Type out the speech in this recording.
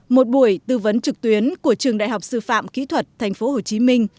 một buổi tư vấn trực tuyến của trường đại học sư phạm kỹ thuật tp hcm